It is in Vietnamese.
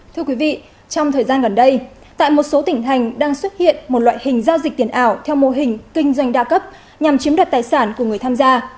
thưa quý vị trong thời gian gần đây tại một số tỉnh hành đang xuất hiện một loại hình giao dịch tiền ảo theo mô hình kinh doanh đa cấp nhằm chiếm đoạt tài sản của người tham gia